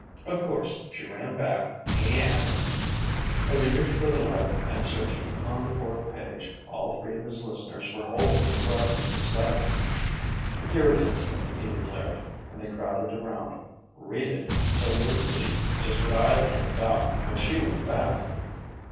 Of course she ran back—and——" As he reached for the letter, and searched on the fourth page, all three of his listeners were holding their breath in suspense. "Here it is," he declared, and they crowded around. "Read it, so you'll see just what I learned about when she went back."